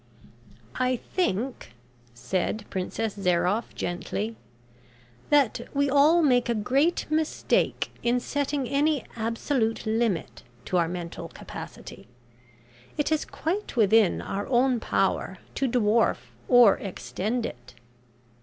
"I think," said Princess Zairoff, gently; "that we all make a great mistake in setting any absolute limit to our mental capacity. It is quite within our own power to dwarf or extend it.